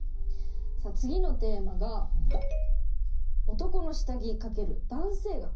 さあ次のテーマが「男の下着×男性学」。